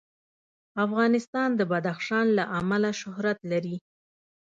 افغانستان د بدخشان له امله شهرت لري.